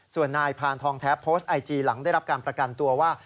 ส่วนนายพานทองแท้โพสต์ไอจีหลังได้รับการประกันตัวว่า